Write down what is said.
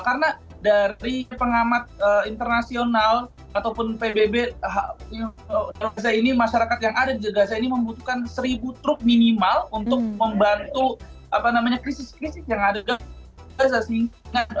karena dari pengamat internasional ataupun pbb gaza ini membutuhkan seribu truk minimal untuk membantu krisis krisis yang ada di gaza